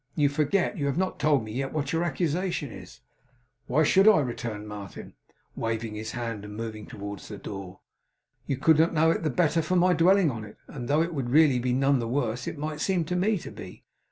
You forget. You have not yet told me what your accusation is!' 'Why should I?' returned Martin, waving his hand, and moving towards the door. 'You could not know it the better for my dwelling on it, and though it would be really none the worse, it might seem to me to be.